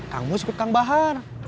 kang mus ikut kang bahar